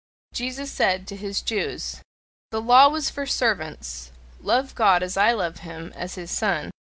Jesus said to his Jews: "The law was for servants; love God as I love him, as his Son!